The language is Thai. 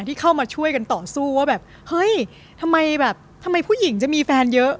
ที่เข้ามาช่วยกันต่อสู้ว่าแบบเฮ้ยทำไมแบบทำไมผู้หญิงจะมีแฟนเยอะ